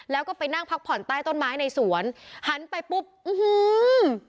แล้วก็ไปนั่งพักผ่อนใต้ต้นไม้ในสวนหันไปปุ๊บอื้อหือ